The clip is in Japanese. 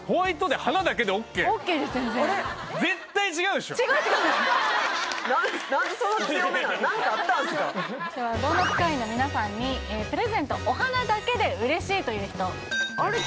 ではドーナツ会員の皆さんにプレゼントお花だけで嬉しいという人あれ？